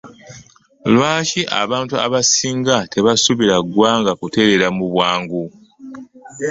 Lwaki abantu abasinga tebasuubira ggwanga kutereera mu bwangu?